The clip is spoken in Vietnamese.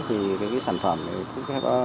thì cái sản phẩm cũng có